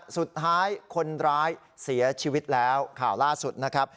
สุดท้ายคนร้ายเสียชีวิตแล้วข่าวล่าสุดนะครับ